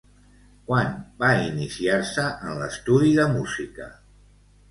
Quan va iniciar-se en l'estudi de música?